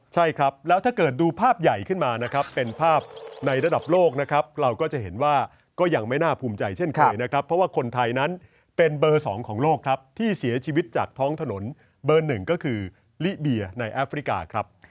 ใช่ครับแล้วถ้าเกิดดูภาพใหญ่ขึ้นมานะครับเป็นภาพในระดับโลกนะครับเราก็จะเห็นว่าก็ยังไม่น่าภูมิใจเช่นเคยนะครับเพราะว่าคนไทยนั้นเป็นเบอร์๒ของโลกครับที่เสียชีวิตจากท้องถนนเบอร์หนึ่งก็คือลิเบียในแอฟริกาครับ